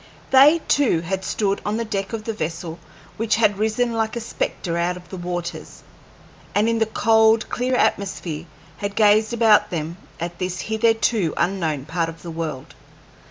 They too had stood on the deck of the vessel which had risen like a spectre out of the waters, and in the cold, clear atmosphere had gazed about them at this hitherto unknown part of the world.